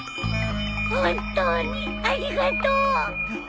本当にありがとう。